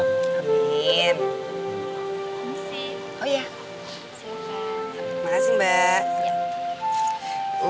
terima kasih mbak